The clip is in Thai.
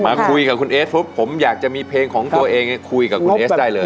มาคุยกับคุณเอสปุ๊บผมอยากจะมีเพลงของตัวเองคุยกับคุณเอสได้เลย